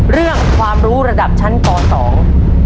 เรื่องความรู้ระดับชั้นปสอง